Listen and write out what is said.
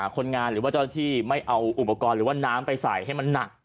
คนงานหรือว่าเจ้าหน้าที่ไม่เอาอุปกรณ์หรือว่าน้ำไปใส่ให้มันหนัก